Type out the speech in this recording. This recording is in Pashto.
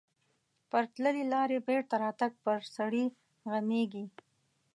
پر تللې لارې بېرته راتګ پر سړي غمیږي.